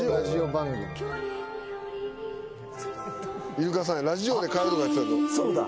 イルカさんやラジオで帰るとか言ってたぞ。